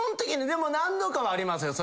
でも何度かはありますよ。